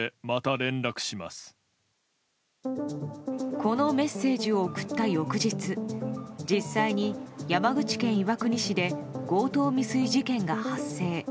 このメッセージを送った翌日実際に、山口県岩国市で強盗未遂事件が発生。